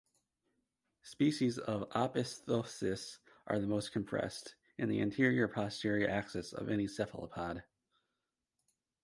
Species of "Opisthoteuthis" are the most compressed, in the anterior-posterior axis, of any cephalopod.